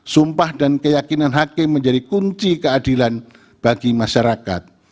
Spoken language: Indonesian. sumpah dan keyakinan hakim menjadi kunci keadilan bagi masyarakat